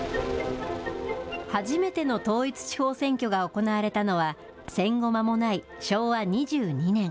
初めての統一地方選挙が行われたのは、戦後間もない昭和２２年。